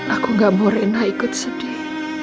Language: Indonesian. aku tidak mau rena ikut sedih